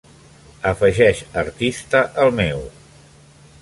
afegeix artista al meu